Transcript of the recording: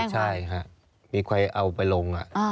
ใช่ครับมีใครเอาไปลงอ่ะ